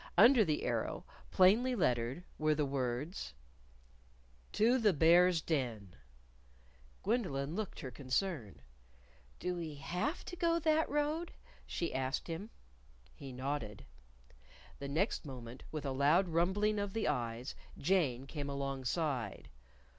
Under the arrow, plainly lettered, were the words: To the Bear's Den. Gwendolyn looked her concern. "Do we have to go that road?" she asked him. He nodded. The next moment, with a loud rumbling of the eyes, Jane came alongside.